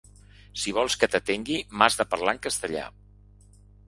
“Si vols que t’atengui, m’has de parlar en castellà”.